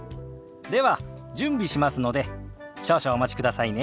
では準備しますので少々お待ちくださいね。